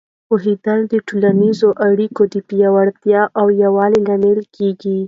پوهېدل د ټولنیزو اړیکو د پیاوړتیا او یووالي لامل کېږي.